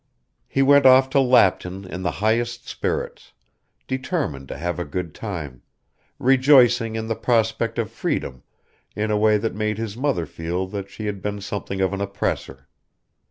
He went off to Lapton in the highest spirits, determined to have a good time, rejoicing in the prospect of freedom in a way that made his mother feel that she had been something of an oppressor.